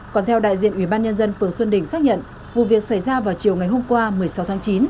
còn theo đại diện ủy ban nhân dân phường xuân đình xác nhận vụ việc xảy ra vào chiều ngày hôm qua một mươi sáu tháng chín